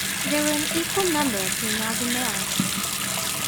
There were an equal number of females and males.